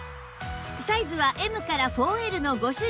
サイズは Ｍ から ４Ｌ の５種類